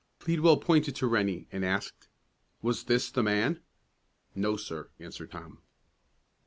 Pleadwell pointed to Rennie, and asked, "Was this the man?" "No, sir," answered Tom.